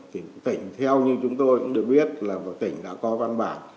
thì tỉnh theo như chúng tôi cũng được biết là tỉnh đã có văn bản